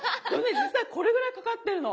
実際これぐらいかかってるの。